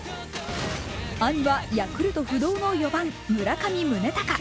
兄はヤクルト不動の４番村上宗隆。